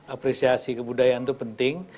apresiasi kebudayaan itu penting